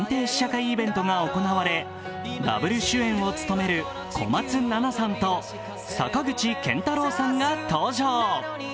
試写会イベントが行われ、ダブル主演を務める小松菜奈さんと坂口健太郎さんが登場。